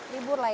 libur lah ya